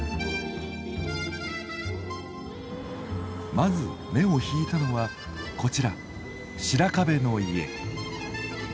まず目を引いたのはこちら白壁の家。